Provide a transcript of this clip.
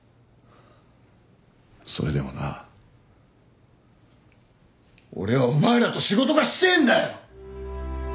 それでもな俺はお前らと仕事がしてえんだよ！